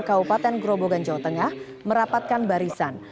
kabupaten grobogan jawa tengah merapatkan barisan